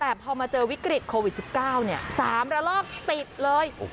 แต่พอมาเจอวิกฤตโควิด๑๙๓ระลอกติดเลย